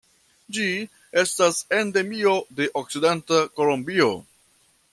Ĝi estas endemio de okcidenta Kolombio.